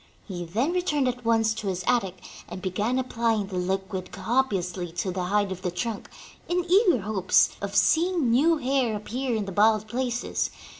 He then returned at once to his attic and began applying the Hquid copiously to the hide of the trunk, in eager hopes of seeing new hair appear in the bald places.